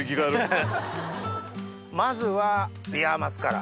まずはビワマスから。